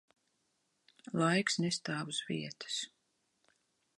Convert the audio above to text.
Laiks nestāv uz vietas.